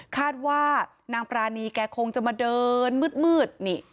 คาดว่านางปรานีแกคงจะมาเดินมืดนี่